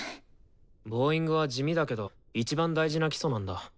ボーイングは地味だけどいちばん大事な基礎なんだ。